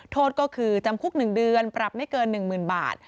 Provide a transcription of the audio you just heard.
โทษก็คือจำคุกหนึ่งเดือนปรับไม่เกินหนึ่งหมื่นบาท